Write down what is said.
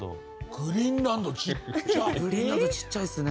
グリーンランドちっちゃいですね。